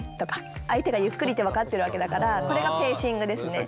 相手がゆっくりって分かってるわけだからこれがペーシングですね。